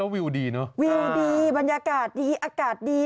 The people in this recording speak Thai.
วิวดีบรรยากาศดีอากาศดี